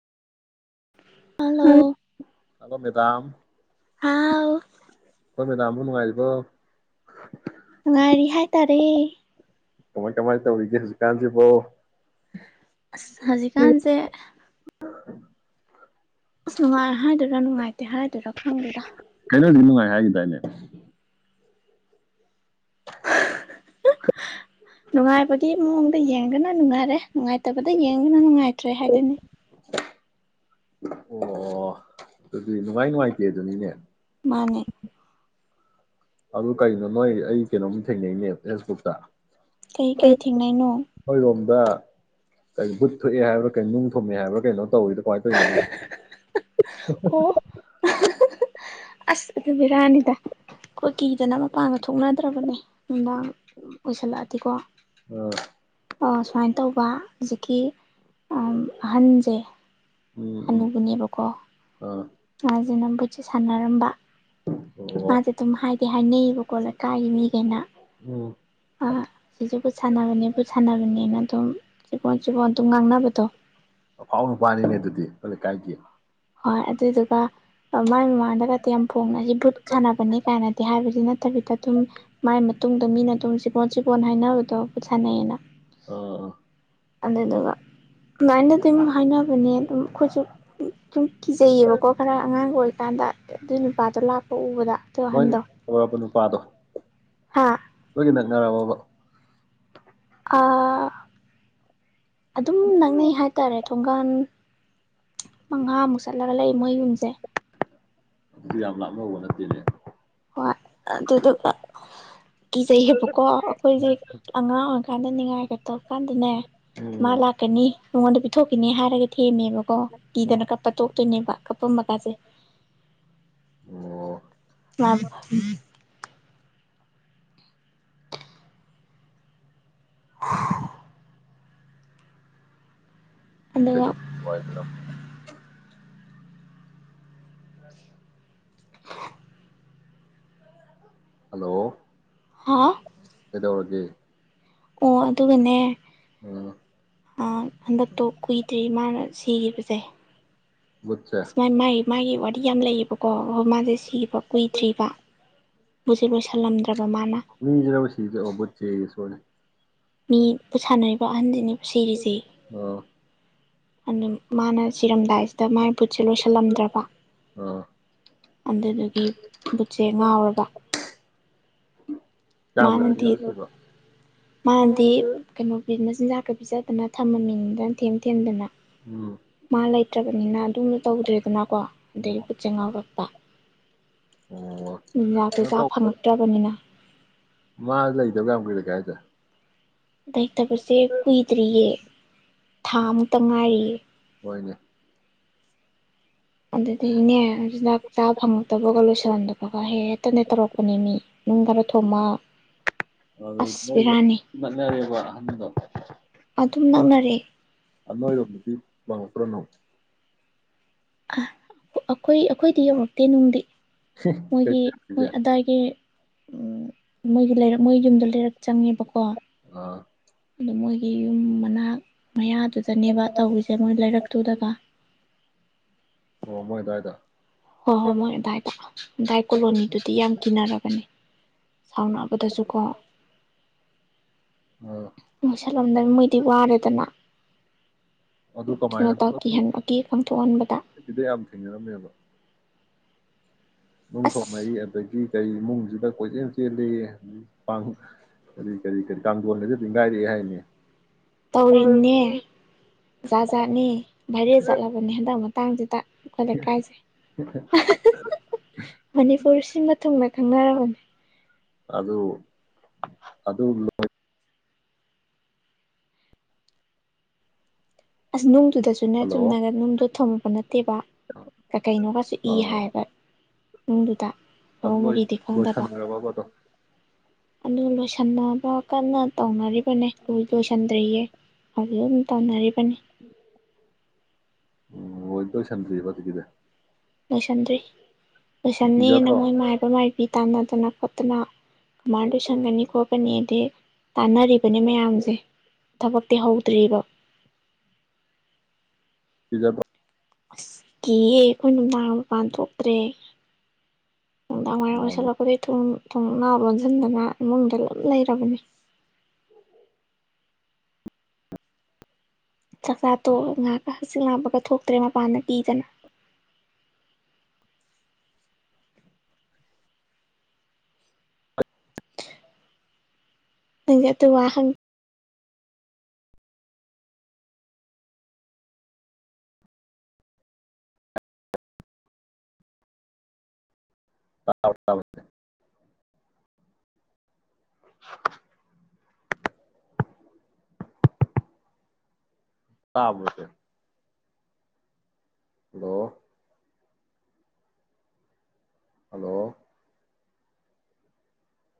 hello hello madam ꯍꯥꯎ ꯈꯣꯏ ꯃꯦꯗꯥꯝꯕꯨ ꯅꯨꯡꯉꯥꯏꯔꯤꯕꯣ ꯅꯨꯡꯉꯥꯏꯔꯤ ꯍꯥꯏꯇꯥꯔꯦ ꯀꯃꯥꯏ ꯀꯃꯥꯏ ꯇꯧꯔꯤꯒꯦ ꯍꯧꯖꯤꯛ ꯀꯥꯟ ꯁꯤꯕꯣ ꯑꯁ ꯍꯧꯖꯤꯛꯀꯥꯟꯁꯦ ꯅꯨꯡꯉꯥꯏ ꯍꯥꯏꯗꯣꯏꯔ ꯈꯔ ꯅꯨꯡꯉꯥꯏꯇꯦ ꯍꯥꯏꯗꯣꯏꯔ ꯈꯪꯗꯦꯗ ꯀꯩꯅꯣꯗꯤ ꯅꯨꯡꯉꯥꯏ ꯍꯥꯏꯒꯤꯗꯥꯏꯅꯦ [unintelligible] ꯅꯨꯡꯉꯥꯏꯕꯒꯤ ꯃꯑꯣꯡꯗ ꯌꯦꯡꯗꯅ ꯅꯨꯡꯉꯥꯏꯔꯦ ꯅꯨꯡꯉꯥꯏꯇꯕꯗ ꯌꯦꯡꯗꯅ ꯅꯨꯡꯉꯥꯏꯇ꯭ꯔꯦ ꯍꯥꯏꯗꯨꯅꯤ ꯑꯣ ꯑꯗꯨꯗꯤ ꯅꯨꯡꯉꯥꯏ ꯅꯨꯡꯉꯥꯏꯇꯦ ꯑꯗꯨꯅꯤꯅꯦ ꯃꯥꯅꯦ ꯑꯗꯨ ꯀꯩꯅꯣ ꯅꯣꯏ ꯑꯩ ꯀꯩꯅꯣꯝ ꯊꯦꯡꯅꯩꯅꯦ ꯐꯦꯁꯕꯨꯛꯇ ꯀꯩꯀꯩ ꯊꯦꯡꯅꯩꯅꯣ ꯅꯣꯏꯔꯣꯝꯗ ꯀꯩ ꯕꯨꯠ ꯊꯣꯛꯑꯦ ꯍꯥꯏꯕ꯭ꯔꯥ ꯀꯩ ꯅꯨꯡ ꯊꯣꯝꯃꯦ ꯍꯥꯏꯕ꯭ꯔꯥ ꯀꯩꯅꯣ ꯇꯧꯋꯗꯣ ꯀꯃꯥꯏꯅ ꯇꯧꯔꯤꯅꯣ ꯑꯗꯨ ꯑꯣ [unintelligible] ꯑꯁ ꯑꯗꯨ ꯕꯤꯔꯥꯅꯤꯗ ꯀꯨꯀꯤ ꯐꯖꯅ ꯃꯄꯥꯟꯒ ꯊꯣꯛꯅꯗ꯭ꯔꯕꯅꯦ ꯅꯨꯡꯗꯥꯡ ꯑꯣꯏꯁꯜꯂꯛꯑꯗꯤꯀꯣ ꯎꯝ ꯑꯣ ꯁꯨꯃꯥꯏꯅ ꯇꯧꯕ ꯍꯧꯖꯤꯛꯀꯤ ꯑꯍꯟꯁꯦ ꯍꯅꯨꯕꯅꯦꯕ ꯀꯣ ꯑ ꯃꯥꯖꯦ [unintelligible] ꯁꯥꯟꯅꯔꯝꯕ ꯑꯣ ꯃꯥꯖꯦ ꯗꯨꯝ ꯍꯥꯏ ꯗꯤ ꯍꯥꯏꯅꯩꯌꯦꯕꯀꯣ ꯂꯩꯀꯥꯏꯒꯤ ꯃꯤꯈꯩꯅ ꯎꯝ ꯑꯥ ꯃꯁꯤ ꯕꯨꯠ ꯁꯥꯟꯅꯕꯅꯦ ꯕꯨꯠ ꯁꯥꯟꯅꯕꯅꯦꯅ ꯑꯗꯨꯝ ꯆꯤꯕꯣꯟ ꯆꯤꯕꯣꯟ ꯑꯗꯨꯝ ꯉꯥꯡꯅꯕꯗꯣ ꯑꯐꯥꯎꯕ ꯅꯨꯄꯥꯅꯤꯅꯦ ꯑꯗꯨꯗꯤ ꯂꯩꯀꯥꯏꯒꯤ ꯍꯣꯏ ꯑꯗꯨꯗꯨꯒ ꯃꯥꯏ ꯃꯃꯥꯡꯗꯒꯗꯤ ꯌꯥꯝ ꯐꯣꯡꯅ ꯁꯤ ꯕꯨꯠ ꯁꯥꯟꯅꯕꯅꯤ ꯀꯥꯏꯅꯗꯤ ꯍꯥꯏꯕꯗꯤ ꯅꯠꯇꯕꯤꯗ ꯑꯗꯨꯝ ꯃꯥꯏ ꯃꯇꯨꯡꯗ ꯃꯤꯅ ꯑꯗꯨꯝ ꯆꯤꯕꯣꯟ ꯆꯤꯕꯣꯟ ꯍꯥꯏꯅꯕꯗꯣ ꯕꯨꯠ ꯁꯥꯟꯅꯩꯑꯦꯅ ꯑꯥ ꯑꯥ ꯑꯗꯨꯗꯨꯒ ꯑꯗꯨꯃꯥꯏꯅ ꯑꯗꯨꯝ ꯍꯥꯏꯅꯕꯅꯦ ꯑꯗꯨꯝ ꯑꯩꯈꯣꯏꯁꯨ ꯁꯨꯝ ꯀꯤꯖꯩꯌꯦꯕꯀꯣ ꯈꯔ ꯑꯉꯥꯡꯒ ꯑꯣꯏꯀꯥꯟꯗ ꯑꯗꯨ ꯅꯨꯄꯥꯗꯣ ꯂꯥꯛꯄ ꯎꯕꯗ ꯑꯗꯨ ꯃꯣꯏ [unintelligible] ꯄꯥꯗꯣ ꯍꯥꯥ ꯅꯛꯅꯔꯕꯕ ꯑ ꯑꯗꯨꯝ ꯅꯛꯅꯩ ꯍꯥꯏꯇꯥꯔꯦ ꯊꯣꯡꯒꯥꯟ ꯃꯉꯥꯃꯨꯛ ꯆꯠꯂꯒ ꯂꯩ ꯃꯣꯏꯌꯨꯝꯁꯦ ꯑꯗꯨꯁꯨ ꯌꯥꯝ ꯂꯥꯞꯅꯧꯕ ꯅꯠꯇꯦꯅꯦ ꯍꯣꯏ ꯑꯗꯨꯗꯨꯒ ꯀꯤꯖꯩꯑꯦꯕꯀꯣ ꯑꯩꯈꯣꯏꯁꯦ ꯑꯉꯥꯡ ꯑꯣꯏ ꯀꯥꯟꯗ ꯅꯤꯡꯉꯥꯏꯒ ꯇꯧꯀꯥꯟꯗꯅꯦ ꯃꯥ ꯎꯝ ꯂꯥꯛꯀꯅꯤ ꯃꯉꯣꯟꯗ ꯄꯤꯊꯣꯛꯈꯤꯅꯤ ꯍꯥꯏꯔꯒ ꯊꯦꯝꯃꯦꯕ ꯀꯣ ꯀꯤꯗꯅ ꯎꯝ ꯀꯄ ꯇꯣ ꯇꯣꯏꯅꯦꯕ ꯀꯄꯝꯒꯁꯦ ꯑꯣ ꯑ ꯎꯝ [inaudible] ꯑꯗꯨꯒ ꯀꯩꯗꯧ [inaudible] ꯍꯜꯂꯣ ꯍꯥꯥ ꯀꯩꯗꯧꯔꯒꯦ ꯑꯣ ꯑꯗꯨꯒꯅꯦ ꯑꯥ ꯑ ꯍꯟꯗꯛꯇꯣ ꯀꯨꯏꯗ꯭ꯔꯤ ꯃꯥꯅ ꯁꯤꯈꯤꯕꯁꯦ ꯕꯨꯠꯁꯦ ꯑꯁ ꯃꯥꯥꯏ ꯃꯥ ꯃꯥꯒꯤ ꯋꯥ ꯌꯥꯝ ꯂꯩꯌꯦꯕꯀꯣ ꯍꯣ ꯃꯥꯁꯦ ꯁꯤꯕ ꯀꯨꯏꯗ꯭ꯔꯤꯕ ꯃꯨꯖꯦꯂꯣꯏꯁꯤꯟꯂꯝꯗ ꯖꯦꯕꯨꯣ ꯁꯤꯗꯦ ꯑꯣꯕ ꯆ ꯆꯩ ꯌꯦꯁꯣ ꯃꯅꯦ [unintelligible] ꯃꯤꯕꯨ ꯁꯥꯟꯅꯔꯤꯕ ꯑꯍꯟꯗꯨꯅꯤ ꯑꯥ ꯑꯗꯨꯝ ꯃꯥꯅ ꯁꯤꯔꯝꯗꯥꯏꯁꯤꯗ ꯃꯥꯒꯤ ꯕꯨꯠꯁꯦ ꯂꯣꯏꯁꯤꯜꯂꯝꯗ꯭ꯔꯕ ꯑ ꯑꯗꯨꯗꯨꯒꯤ ꯕꯨꯠꯁꯦ ꯉꯥꯎꯔꯕ ꯀꯌꯥꯝ ꯀꯨꯏꯔꯒꯦ ꯃꯥꯅꯗꯤ ꯍꯧꯖꯤꯛꯁꯤꯕꯣ ꯃꯥꯅꯗꯤ ꯀꯩꯅꯣ ꯕꯤꯅꯦꯁ ꯆꯤꯟꯖꯥꯛꯀ ꯄꯤꯖꯗꯅ ꯊꯝꯃꯝꯃꯤꯅꯤꯗꯅ ꯊꯦꯝ ꯊꯦꯝꯗꯅ ꯎꯝ ꯃꯥ ꯂꯩꯇ꯭ꯔꯕꯅꯤꯅ ꯑꯗꯨꯝꯅ ꯇꯧꯗ꯭ꯔꯦꯗꯅꯀꯣ ꯑꯗꯒꯤ ꯑꯣ ꯕꯨꯠ ꯁꯦ ꯉꯥꯎꯔꯛꯄ ꯌꯦꯖꯥꯛꯇꯨ ꯀꯩꯅꯣ ꯆꯥ ꯇꯧ ꯐꯪꯉꯛꯇ꯭ꯔꯕꯅꯤꯅ ꯃꯥ ꯂꯩꯇꯕ ꯌꯥꯝꯀꯨꯏꯔꯒꯦ ꯍꯥꯏꯁꯦ ꯂꯩꯇꯕꯁꯦ ꯀꯨꯏꯗ꯭ꯔꯤꯌꯦ ꯊꯥꯃꯛꯇ ꯉꯥꯏꯔꯤꯌꯦ ꯍꯣꯏꯅꯦ ꯑꯗꯨꯗꯩꯅꯦ ꯆꯤꯟꯖꯥꯛ ꯆꯥꯕ ꯐꯪꯉꯛꯇꯕꯒ ꯂꯣꯏꯁꯤꯜꯍꯟꯗꯕꯒ ꯍꯦꯛꯇꯅꯦ ꯇꯧꯔꯛꯄꯅꯤ ꯃꯤ ꯅꯨꯡ ꯈꯔ ꯊꯣꯝꯃꯛ ꯑꯗꯨ ꯑꯁ ꯅꯣꯏꯒ ꯕꯤꯔꯥꯅꯤ ꯅꯛꯅꯔꯦꯕ ꯑꯍꯟꯗꯣ ꯑꯗꯨꯝ ꯅꯛꯅꯔ ꯔꯦ ꯑꯟꯅꯣꯂꯣ ꯃꯛꯇꯤ ꯋꯥ ꯄꯨꯔꯅꯣ ꯑ ꯑꯩꯈꯣꯏ ꯑꯩꯈꯣꯏꯗꯤ ꯌꯧꯔꯛꯇꯦ ꯅꯨꯡꯗꯤ ꯃꯣꯏꯒꯤ ꯃꯣꯏ ꯀꯩꯁꯦ ꯑꯗꯥꯏꯒꯤ ꯎꯝ ꯃꯣꯏꯒ ꯂꯩꯔ ꯃꯣꯏ ꯌꯨꯝꯗꯣ ꯂꯩꯔꯛ ꯆꯪꯉꯦꯕꯀꯣ ꯑꯥ ꯑ ꯃꯣꯏꯒꯤ ꯌꯨꯝ ꯃꯅꯥꯛ ꯃꯌꯥꯗꯨꯗꯅꯦꯕ ꯇꯧꯔꯤꯁꯦ ꯃꯣꯏ ꯂꯩꯔꯛꯇꯨꯗꯒ ꯑꯣ ꯃꯣꯏ ꯑꯗꯨꯋꯥꯏꯗ ꯍꯣꯏ ꯍꯣꯏ ꯃꯣꯏ ꯗꯥꯏꯗꯥꯏ ꯀꯣꯂꯣꯅꯤꯗꯨꯗꯤ ꯌꯥꯝ ꯀꯤꯅꯔꯒꯅꯤ ꯁꯥꯎꯅꯔꯄꯗꯁꯨꯀꯣ ꯑ ꯃꯣꯏꯁꯛꯂꯝꯗꯅꯤ ꯃꯣꯏꯗꯤ ꯋꯥꯔꯦꯗꯅ ꯑꯗꯨ ꯑꯗꯨꯅ ꯀꯃꯥꯏꯅ ꯇꯧ ꯀꯤꯍꯟꯕ ꯑꯀꯤ ꯈꯪꯊꯣꯛꯍꯟꯕꯗ ꯇꯧꯗ ꯌꯥꯝ ꯊꯦꯡꯅꯔꯝꯃꯦꯕ ꯅꯨꯡ ꯑꯁ ꯊꯣꯡꯉꯩ ꯑꯗꯒꯤ ꯀꯔꯤ ꯏꯃꯨꯡꯁꯤꯗ ꯀꯣꯏꯆꯦꯜ ꯆꯦꯜꯂꯤꯦ ꯀꯔꯤ ꯀꯔꯤ ꯀꯔꯤ ꯀꯥꯡꯊꯣꯟꯒꯁꯨꯗꯤ ꯉꯥꯏꯔꯛꯑꯦ ꯍꯥꯏꯅꯤ ꯇꯧꯔꯤꯅꯦ ꯖꯥꯠꯖꯥꯠꯅꯤ ꯚꯥꯏꯔꯦ ꯆꯠꯂꯕꯅꯦ ꯍꯟꯗꯛ ꯇꯥꯡ ꯆꯦꯗ ꯗ ꯀꯥꯏꯖꯩ ꯃꯅꯤꯄꯨꯔꯁꯤꯃꯊ ꯈꯪꯅꯔꯕꯅꯤ ꯑꯗꯨ ꯑꯗꯨ ꯑꯁꯅꯨꯡ ꯑꯗꯨꯁꯨꯅꯦ ꯍꯜꯂꯣ ꯆꯨꯝꯅꯒꯅꯦ ꯅꯨꯡꯗꯣ ꯊꯝꯃꯛ [unintelligible] ꯇꯦꯕ ꯀ ꯀꯩꯅꯣꯒꯁꯨ ꯏ ꯍꯥꯏꯕ ꯅꯨꯡꯗꯨꯗ ꯑ ꯃꯔꯧ ꯂꯣꯏ ꯃꯔꯤꯗꯤ ꯈꯪꯗꯕ ꯂꯣꯏꯁꯤꯟꯒꯔꯕꯕ ꯑꯗꯣ ꯑꯗꯨ ꯂꯣꯏꯁꯟꯅꯕ ꯀꯟꯅ ꯇꯧꯅꯔꯤ ꯕꯅꯦ ꯂꯣꯏ ꯂꯣꯏꯁꯟ [unintelligible] ꯇꯥꯟꯅꯔꯤꯕꯅꯦ ꯎꯝ ꯍꯣꯏ ꯂꯣꯏꯁꯟꯗꯔꯤꯌꯦꯕ [unintelligible] ꯂꯣꯏꯁꯟꯗꯔꯤ ꯂꯣꯏꯁꯟꯅꯦꯅ ꯀꯤꯖꯗ꯭ꯔꯣ ꯃꯣꯏ ꯃꯥꯏꯕ ꯃꯥꯏꯕꯤ ꯇꯥꯟꯅ ꯗꯅ ꯈꯣꯠꯇꯅ ꯀꯃꯥꯏꯅ ꯂꯣꯏꯁꯟꯒꯅꯤ ꯈꯣꯠꯀꯅꯤ ꯑꯗꯩ ꯇꯥꯅꯔꯤꯕꯅꯤ ꯃꯌꯥꯝꯁꯦ ꯊꯕꯛꯇꯤ ꯍꯧꯗ꯭ꯔꯤꯌꯦꯕ ꯀꯤꯖꯕꯔꯣ ꯑꯁ ꯀꯤꯑꯦ ꯑꯩꯈꯣꯏ ꯅꯨꯡꯗꯥꯡ ꯃꯄꯥꯟ ꯊꯣꯛꯇ꯭ꯔꯦ ꯅꯨꯡꯗꯥꯡ ꯋꯥꯏꯔꯝ ꯑꯣꯏꯁꯤꯜꯂꯛꯄꯗꯩ ꯇꯨꯝ ꯊꯣꯡꯅꯥꯎ ꯂꯣꯟꯁꯤꯟꯗꯅ ꯏꯃꯨꯡꯗ ꯗꯨꯝ ꯂꯩꯔꯕꯅꯤ ꯆꯥꯛꯆꯥ ꯇꯣꯛꯑꯒ ꯉꯍꯥꯛꯀ ꯍꯛꯆꯤꯛ ꯂꯥꯡꯕꯒ ꯊꯣꯛꯇ꯭ꯔꯦ ꯃꯄꯥꯟꯗ ꯀꯤꯗꯅ ꯅꯤꯡꯖꯨ ꯑꯗꯨ ꯋꯥꯍꯪ [unintelligible] ꯇꯥꯕꯔꯣ ꯁꯦ ꯍꯂꯣ ꯍꯜꯂꯣ